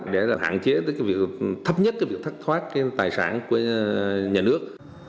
để hạn chế thấp nhất việc thất thoát tài sản của nhà nước